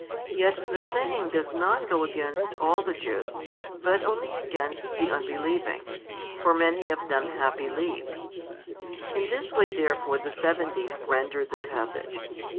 Yet the saying does not go against all [the Jews], but only against the unbelieving; for many of them have believed. In this way therefore the Seventy have rendered the passage.